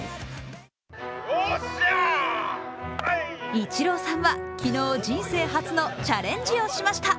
イチローさんは昨日、人生初のチャレンジをしました。